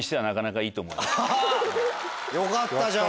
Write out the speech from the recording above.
よかったじゃん。